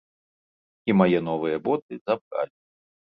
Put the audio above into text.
І мае новыя боты забралі.